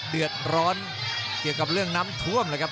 เดือดร้อนเกี่ยวกับเรื่องน้ำท่วม